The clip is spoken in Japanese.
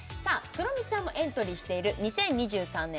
クロミちゃんもエントリーしている２０２３年